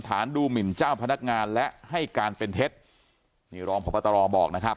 ดูหมินเจ้าพนักงานและให้การเป็นเท็จนี่รองพบตรบอกนะครับ